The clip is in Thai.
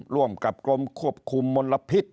ร่วมกับกรมควบคุมมลพิษ